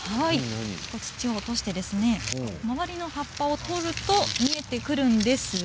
土を落として周りの葉っぱを取ると見えてくるんですが。